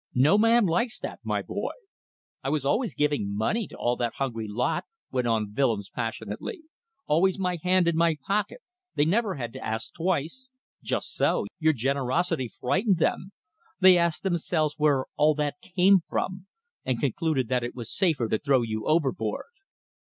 No man likes that, my boy." "I was always giving money to all that hungry lot," went on Willems, passionately. "Always my hand in my pocket. They never had to ask twice." "Just so. Your generosity frightened them. They asked themselves where all that came from, and concluded that it was safer to throw you overboard.